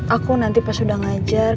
aku nanti pas udah ngajar